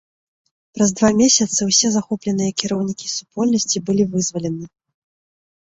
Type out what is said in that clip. Праз два месяцы ўсе захопленыя кіраўнікі супольнасці былі вызвалены.